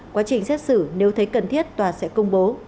quá trình xét xử nếu thấy cần thiết tòa sẽ công bố